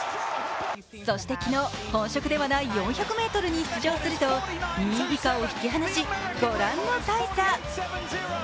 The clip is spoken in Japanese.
そして昨日、本職ではない４００ｍに出場すると２位以下を引き離し、ご覧の大差。